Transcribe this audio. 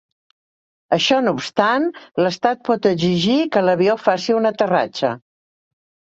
Això no obstant, l'estat pot exigir que l'avió faci un aterratge.